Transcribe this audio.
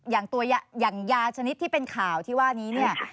อย่างยาชนิดที่เป็นข่าวที่ว่านี้